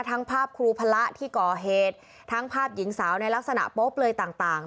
ทั้งภาพครูพระที่ก่อเหตุทั้งภาพหญิงสาวในลักษณะโป๊บเลยต่าง